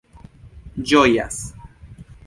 ĝojas